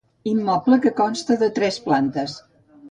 Immoble que consta de tres plantes.